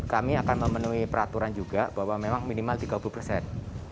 kami akan memenuhi peraturan juga bahwa memang minimal tiga puluh persen